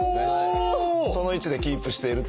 その位置でキープしていると。